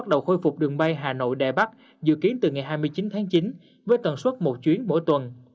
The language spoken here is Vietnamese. đài bắc dự kiến từ ngày hai mươi chín tháng chín với tuần suốt một chuyến mỗi tuần